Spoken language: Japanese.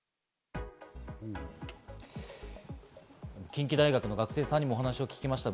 近畿大学の学生さんにもお話を聞きました。